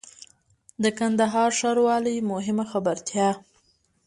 د کندهار ښاروالۍ مهمه خبرتيا